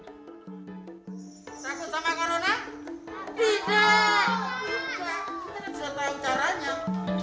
takut sama corona